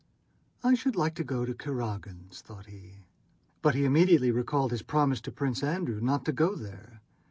"I should like to go to Kurágin's," thought he. But he immediately recalled his promise to Prince Andrew not to go there.